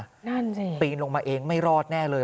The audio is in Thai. นั่นสิปีนลงมาเองไม่รอดแน่เลย